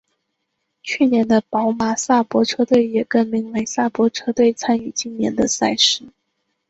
去年的宝马萨伯车队也更名为萨伯车队参与今年的赛事。